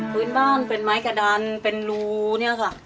พื้นบ้านเป็นไม้กระดานเป็นรูเนี่ยค่ะ